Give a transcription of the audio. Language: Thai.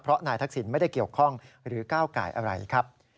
เพราะนายทักษิณไม่ได้เกี่ยวข้องหรือก้าวไก่อะไรครับ